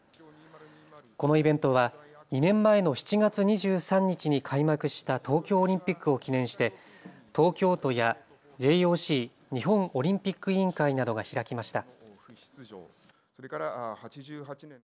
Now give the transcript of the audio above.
このイベントは２年前の７月２３日に開幕した東京オリンピックを記念して東京都やＪＯＣ・日本オリンピック委員会などが開きました。